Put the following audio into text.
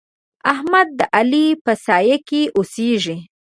احمد د علي په سايه کې اوسېږي.